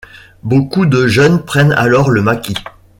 Beaucoup de jeunes prennent alors le maquis.